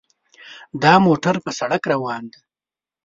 دا موټر په سړک روان دی.